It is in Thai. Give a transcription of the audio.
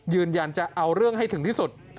ยืนยันจะเอาเรื่องให้ถึงที่สุด